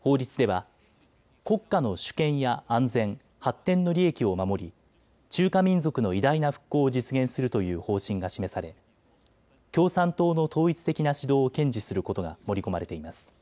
法律では国家の主権や安全、発展の利益を守り中華民族の偉大な復興を実現するという方針が示され共産党の統一的な指導を堅持することが盛り込まれています。